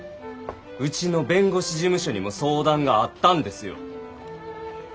うちの弁護士事務所にも相談があったんですよ。